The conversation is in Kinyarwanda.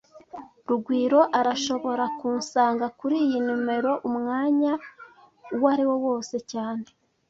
Rugwiro arashobora kunsanga kuriyi numero umwanya uwariwo wose cyane